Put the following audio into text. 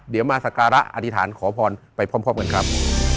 เดี๋ยวมาสการะอธิษฐานขอพรไปพร้อมกันครับ